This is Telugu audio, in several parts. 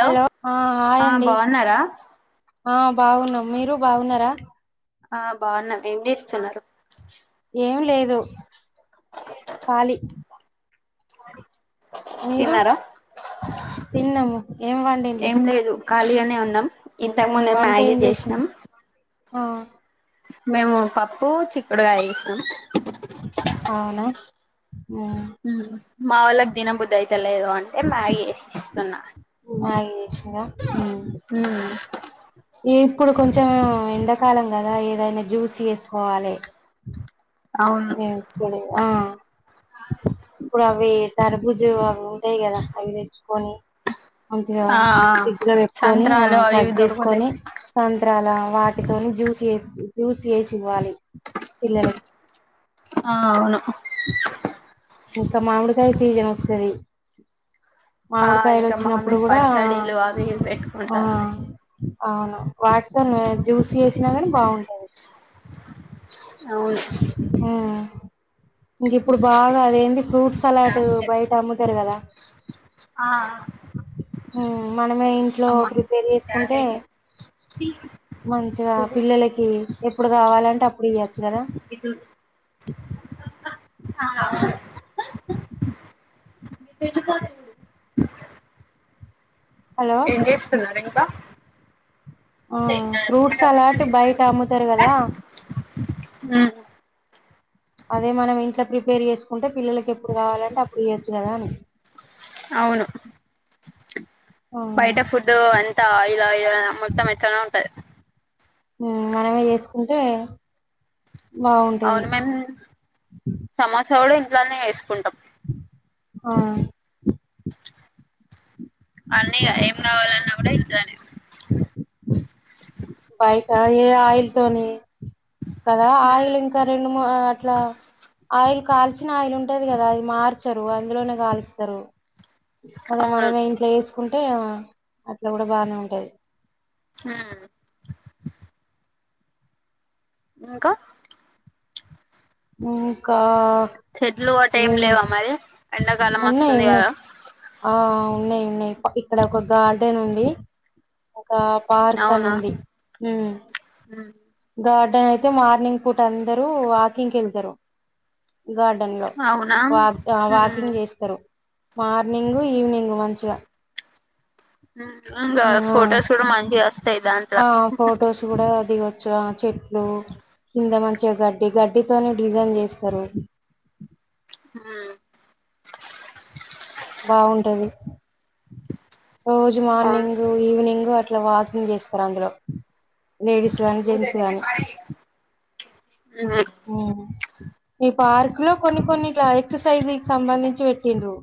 హలో ఆ హాయ్ ఆ అండి బాగున్నారా ఆ బాగున్నాం మీరు బాగున్నరా ఆ బాగున్నాం ఏం చేస్తున్నరు ఏం లేదు కాలి మీరు తిన్నారా తిన్నము ఏం లేదు ఖాళీగానే ఉన్నాం ఇంతకుముందే వంట మ్యాగీ ఏం చేసిన్ చేసినాం ఆ మేము పప్పు చిక్కుడుగాయ్ చేసినం అవునా మావలకి దినబుదయ్ లేదు అంటే మాగి చేసిన్ తన్నా బాయే చేసిందా హుమ్ హుమ్ ఇప్పుడు కొంచెం ఎండాకాలం కదా ఏదైనా జ్యూస్ చేసుకోవాలి అవును ఏం పొడి ఆ ఇప్పుడు అవీ కర్బుజ ఉంటాయ్ కదా అవి తెచ్చుకొని మంచిగా ఆ ఫ్రిడ్జ్ లో పెట్కొని ఆ సంత్రాలు అవి కట్ ఇవి దొరుకుతాయి చేసుకొని సాయంత్రాల వాటితోని జ్యూస్ ఏసి జ్యూస్ ఏసి ఇవ్వాలి పిల్లలకి ఆ అవును ఇంకా మామిడికాయ సీజన్ వస్తది ఆ మామిడికాయలు ఇంకా వచ్చినప్పుడు మామిడి కూడా పచ్చడిలు అవి ఇవి ఆ పెట్టుకుంటారు అవును వాటితోని జ్యూస్ చేేసినా కాని బాగుంటది అవును హుమ్ ఇంక్ ఇప్పుడు బాగా అదేంది ఫ్రూట్ సలాడ్ బయట అమ్ముతారు కదా ఆ మనమే ఇంట్లో అమ్మా ప్రిపేర్ చేసుకుంటే మంచిగా పిల్లలకి ఎప్పుడు కావాలంటే అప్పుడు ఇయ్య [unintelligible] ఆ ఇ [unintelligible] హలో ఏం చేస్తున్నారే త్త ఆ ఫ్రూట్స్ సలాట్ బయట అమ్ముతరు కదా అదే మనం ఇంట్లో ప్రిపేర్ చేసుకుంటే పిల్లల కి ఎప్పుడు కావాలంటే అప్పుడు ఇయ్యచ్చు కదా అని అవును ఆ బయట ఫుడ్ అంత ంత లా మొత్తం ఎట్లనో ఉంటది మనమే చేసుకుంటే బాగుంటది అవును మేమ్ సమోస కుడా ఇం ట్లానే చేసుకుంటాం ఆ అన్ని ఎం కావాలన్నా కూడా ఇంట్లనే [inaudible] బయట ఏ ఆయిలు తోని కదా ఆయిల్ ఇంకా రెండు మూ అట్లా ఆయిల్ కాల్చిన ఆయిలు ఉంటది కదా అది మార్చరు అందులోనే కాలుస్తరు అదే అవును మనమే ఇంట్ల చేస్ కుంటే అట్లా కూడా బానే ఉంటది హ ఇంకా ఇంకా చెట్లు గొట్ట ఇవి ఎం లేవా మరి ఎండాకాలం ఉన్నాయి వస్తది ఉన్నాయి కదా ఆ ఉన్నాయి ఇక్కడ ఒక గార్డెన్ ఉంది పార్క్ అని అవునా ఉంది ఉం గా అయితే మార్నింగ్ పూట అందరూ వాక్ కింగ్ కెళ్తారు గార్డెన్ లో అవునా వాక్ వాకింగ్ చేస్తారు మార్నింగు ఈవినింగ్ మంచిగా హమ్ ఇంగ ఆ ఫోటోస్ గుడా మంచిగ వాస్తయి దాంట్లో దిగోచుగా చెట్లు కింద మంచిగా గడ్డి గడ్డితోనే డిజైన్ చేస్తరు హమ్ బాగుంటది రోజు అవును మార్నింగు ఈవినింగు అట్ల వాకింగ్ చేస్తరు అందులో లేడీస్ గానీ జెంట్స్ గానీ ఈ పార్క్లో కొన్ని కొన్ని ఎక్ససైజ్కి సంబంధించి పెట్టిండ్రు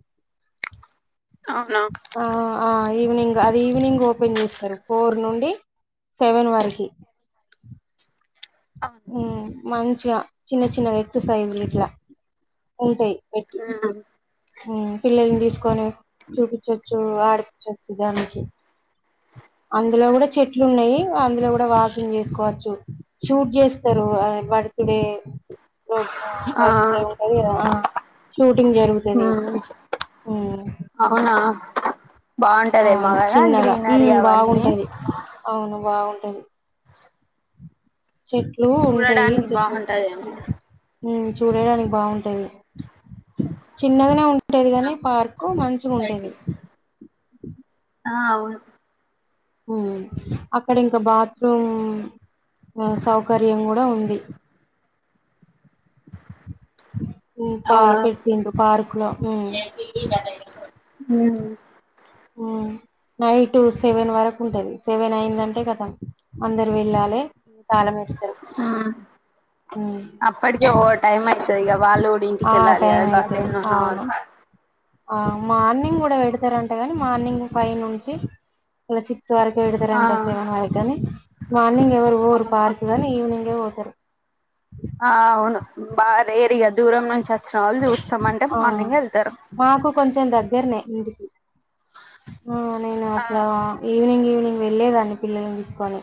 అవునా ఆ ఆ ఈవినింగ్ అది ఈవినింగ్ ఓపెన్ చేస్తరు ఫోర్ నుండి సెవెన్ వరకి అ మంచిగ చిన్న చిన్నగా ఎక్సర్సైజ్ ఇట్ల ఆ హమ్ పిల్లల్ని తీసుకొని చూపించచ్చు ఆడిపించచ్చు దానికి అందులో గుడా చెట్లు ఉన్నయి అందులో కూడా వాకింగ్ చేసుకోవచ్చు షూట్ చేస్తరు బర్తుడే ర ఆ బర్త్డే ఉంటది ఆ షూటింగ్ జరుగుతది ఉమ్ అవునా బాగుంటదేమో అవును కదా చిన్నగా గ్రీనరీ హమ్ అవన్నీ బాగుంటది అవును బాగుం టది చెట్లు ఉంటాయి చూడడానికి చెట్లు బాగుంటదేమో హమ్ చూడడానికి బాగుంటది చిన్నగనే ఉంటది గానీ పార్కు మంచిగ ఉంటది ఆ అవును హమ్ అక్కడ ఇంక బాత్రూమ్ సౌకర్యం గుడా ఉంది హమ్ పా అవునా పెట్టిండు పార్క్ లో ఊ హమ్ ఊ నైయ్ టూ సెవెన్ వరకు ఉంటది సెవెన్ అయిందంటే కతం అందరు వెళ్ళాలె తాళం మేస్తరు అప్పటికీ ఓ టైం అవుతుది ఇక వాళ్ళు కూడా ఇంటిక ఆ వెళ్ళాలి టైం కదా అయితది గార్డెన్ ఉన్న అవును వాళ్ళు ఆ మార్నింగ్ గూడా పెడతరంట మార్నింగ్ ఫైవ్ నుంచి [inaudible] సిక్స్ వరకు ఆ విడతరంట సేవన్ వరక్ గాని మార్నింగ్ ఎవరు అవును పార్క్ గానీ ఈవినింగ్ ఏ సరే ఆ అవును బారేరియా దూరం నుంచి వచ్చిన వాళ్ళు చూస్తామంటే ఆ మార్నింగ్ వెళ్తారు నాకు కొంచెం దగ్గర్నే మీదికి ఆ నేను ఆ అట్లా ఈవినింగ్ ఈవి నింగ్ వెళ్ళేదాన్ని పిల్లలను తీసుకొని.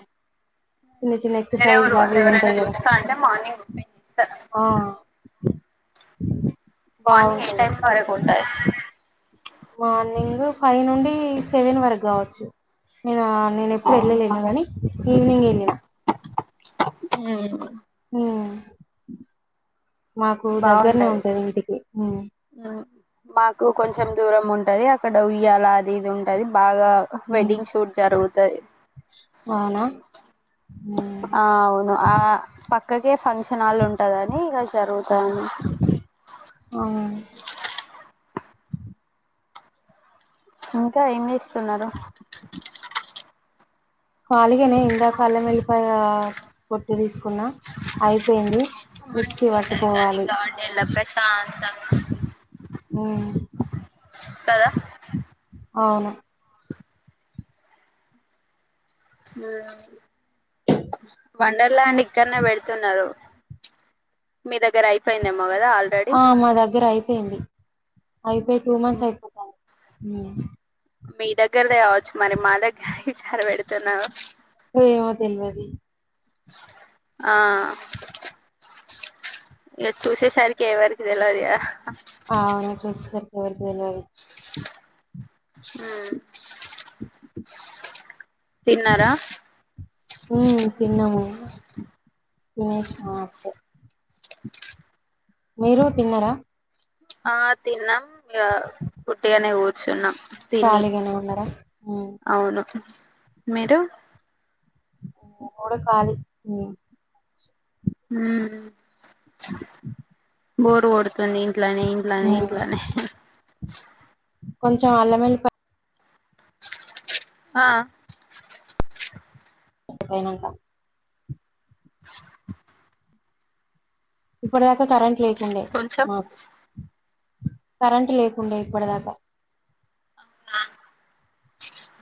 చిన్న చిన్న వేరేవరు ఎక్సర్సైజ్లు వాళ్ళు అవి ఇవి ఎవరైనా ఉంటాయి కదా చూస్తార అంటే మార్నింగ్ ఓపెన్ చేస్తరా? ఆ మార్నింగ్ ఏ బాగుంటది టైమ్ వరకు ఉంటది? మార్నింగ్ ఫైవ్ నుండి సెవెన్ వరకు కావచ్చు నేను నేను ఎప్పుడు అవునా ఎళ్ళలేను గాని ఈవినింగ్ ఎళ్ళిన హ్మ్ హ్మ్ మాకు దగ్గర్నే ఉంటది ఇంటికి మ్మ్ మాకు కొంచెం దూరం ఉం టది అక్కడ ఉయ్యాల అది ఇది ఉంటది బాగ్ గా ఉమ్ వెడ్డింగ్ షూట్ జరుగుతయి అవునా ఉమ్ ఆ అవును ఆ పక్కకే ఫంక్ష నాలు ఉంటదని ఇక జరుగుతయి అవును ఇంకా ఏం చేస్ తున్నరు ఖాలిగనే ఇందాక అల్లమెల్లిపాయా పొట్టు తీసుకున్న అయిపోయింది. మిక్సీ మంచిగ ఉంటది కాని పట్టుకోవాలి గార్డెన్ లా ప్రశాంతంగా ఉమ్ కదా అవును వండర్ల్యాండ్ ఇక్కడ్నే పెడుతున్నరు మీ దగ్గర అయిపోయిందెమ్ ఆ మా దగ్గర అయిపోయింది. అయిపోయి టూ మంత్స్ అయిపోతాంది. మ్మ్ మీ దగ్గర్దే కావొ చ్చు మరి మా దగ్గర తీస్ హర బెడతన్నావ్ పో ఏమో తెల్వది ఆ ఇగ చూసేసరికి ఎవరిది తెల్వదిగ. ఆవునా చూస్తె బోర్ బోర్నా అయి ఉమ్ తిన్నారా ఊ తిన్నాము తినేష్ణం అప్పుడె మీరు తిన్నరా ఆ తిన్నాం ఇగ ఉత్తిగానె కూర్చున్నాం. తిని ఖాళీగానె ఉన్నరా ఊ అవును మీరు మేము కూడ కాలి ఉం హు బోర్ కొడ్ తుంది ఇంట్లనే ఇంట్లనే ఇంట్లనే కొంచం అల్లమెల్లిప ఆ పొయినంక ఇప్పుడైతె కరంట్ లే కుండె కొంచెం మాకు కరెంటు లేకుండె ఇప్పడిదాకా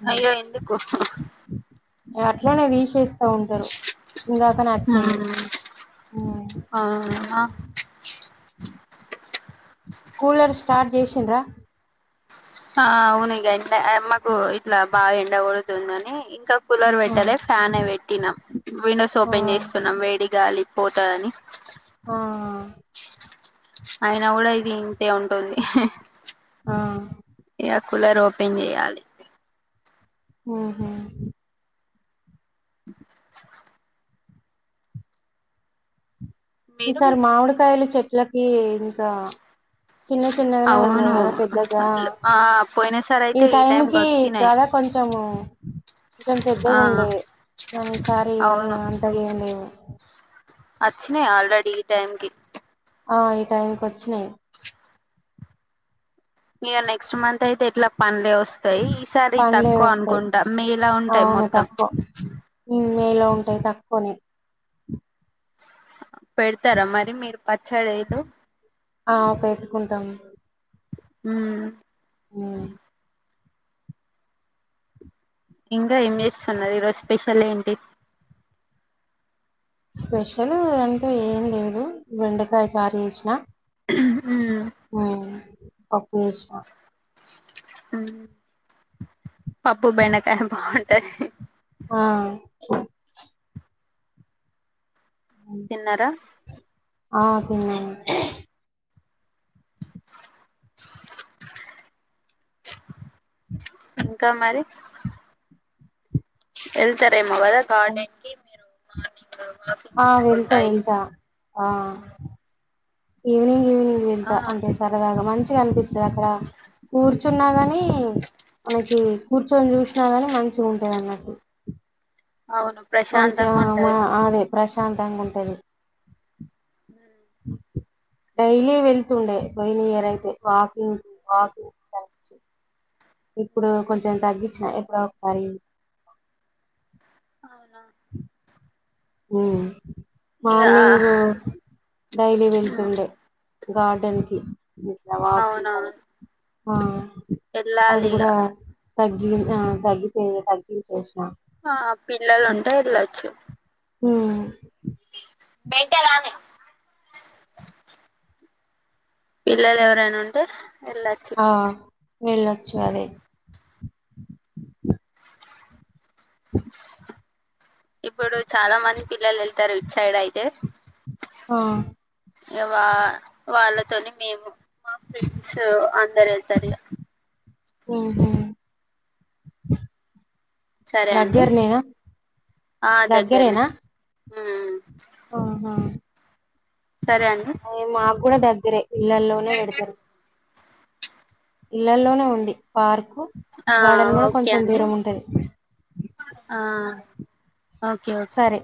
అ అయ్యో ఎందుకు అట్లనె తీసేస్ ఉంటారు ఇందాకనే వచ్చింది. మ్మ్ ఉ అవునా కూలర్ స్టార్ట్ జేసిండ్రా ఆ అవును ఇగ ఎండ ఆయమ్మకు ఇట్లా బాగ ఎండ కొడుతుందని ఇంక కూలర్ ఆ పెట్టల ఫ్యాన్ ఎ పెట్టినాం విండోస్ ఆ ఓపెన్ చేస్తున్నాం వేడి గాలి పోత అని ఆ అయినా గుడా ఇది ఇంతె ఉంటుంది. ఆ ఇక కూలర్ ఓపెన్ చెయ్యాలి. ఆహా మీరు ఈసారి మామిడికాయలు చెట్ ట్లకి ఇంకా చిన్న చిన్నగానే ఉన్నాయి అవును కదా పెద్దగా. ఆ పోయిన సారి ఈ అయితే టైంకి వచ్చినాయి కదా కొంచెము కొంచెం ఆ పెద్దగుండేవి కాని ఈసారి ఏమి అవును అంతగ ఏమి లేవు అచ్చినాయి ఆల్రెడీ ఈ టైం కి ఆ ఈ టైంకి వచ్చినయ్. ఇ నెక్స్ట్ మంత్ అయితే ఎట్లా పనిలేవ్. పంలే వస్తయ్, మేలా ఉంటాయి అవును మొత్తం తక్కువ నేలో తే తక్కుని పెడ్తారా మరి మీరు పచ్చరెతు ఆ పెట్టుకుంటం. హు ఉ ఇంకా ఏం చేస్సున్నారు, ఈ రోజు స్పెషల్ ఏంటి. స్పెషలు అంటే ఏం లేదు, బెండకాయ చారు చేస్నా హుహ్ హు పప్పు ఏస్నా ఉ పప్పు బెండకాయ బాం టహి ఆ తిన్నారా ఆ తిన్న ఇంకా మరి ఎళ్తారేం వ్ కదా గార్డన్కి మిరు ఆ వెళ్తా వెళ్తా ఆ ఈవినింగ్ ఈవిని ఆ వెళ్తా అంటే సరదాగా మంచ్ చిగ అనిపిస్సది అక్కడ, కూర్చున్నా కాని, మనకి కూర్చొని చూస్నా గాని మంచి ఉంట అన్నట్టు అవును మంచిగా ప్రశాంతంగా ఉంటది మా అదే ప్రస్ శాంతంగా ఉంటది. డైలీ వెళ్తుండే పొయినియరైతే వాకింగ్ వాకింగ్ తచ్చి ఇప్పుడు కొంచెం తగ్గించిన లొక్ సారి అవునా ఉ ఇగ మార్నింగ్ డైలీ వెళ్తుండే. గార్డన్కి ఇట్లా వాకింగ్, అవునవును ఆ అది వెళ్ళాలి కుడ ఇగ తగ్గి ఆ తగ్గితే తగ్గించేస్నా ఆ పిల్లలు ఉంటె ళ్లొచ్చు ఊ మెంటలానే పిల్లలు ఎవరైనా ఉంటే వెళ్ళొచ్చు ఆ వెళ్ళొచ్చు అదే ఇప్పుడు చాలా మంది పిల్లలు వెళ్తారు ఇట్ సైడ్ అయితే ఆ ఇగ వా వాళ్ళతోని మేము మా ఫ్రెండ్స్ అందరు అత ఓహో సరే అండి దగ్గర్నేనా ఆ దగ్గరనే దగ్గరేనా ఉమ్ ఆహా సరే అండి ఏ మాకు కూడా దగ్గే పిల్లల్లోనే పెడతారు ఇళ్లల్లోనే ఉంది పార్క్ ఆ ఓకే అండి ఆ ఓకే ఓకే సరే